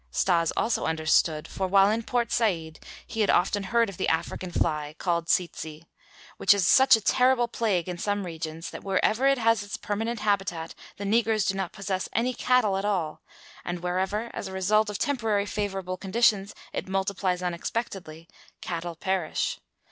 Stas also understood, for while in Port Said he had often heard of the African fly, called "tsetse," which is such a terrible plague in some regions that wherever it has its permanent habitat the negroes do not possess any cattle at all, and wherever, as a result of temporary favorable conditions it multiplies unexpectedly, cattle perish.